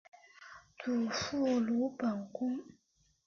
祖父鲁本恭。